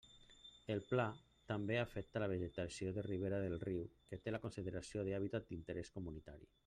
El Pla també afecta la vegetació de ribera del riu, que té la consideració d'hàbitat d'interès comunitari.